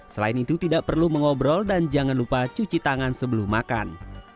selain itu tidak perlu mengobrol dan jangan lupa cuci tangan sebelum makan